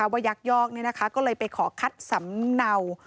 ยักยอกก็เลยไปขอคัดสำเนา